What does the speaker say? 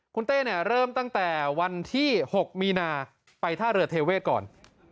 คุณเต้เนี่ยเริ่มตั้งแต่วันที่๖มีนาไปท่าเรือเทเวศก่อน